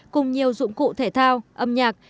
cùng nhiều dụng cụ thể thao âm nhạc